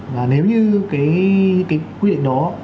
và nếu như cái quy định đó